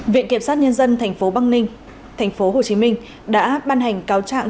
viện kiểm soát nhân dân thành phố bắc ninh thành phố hồ chí minh đã ban hành cáo trạng